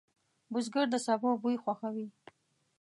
بزګر د سبو بوی خوښوي